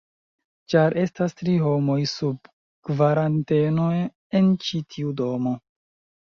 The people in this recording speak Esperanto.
ĉar estas tri homoj sub kvaranteno en ĉi tiu domo